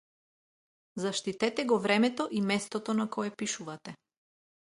Заштитете го времето и местото на кое пишувате.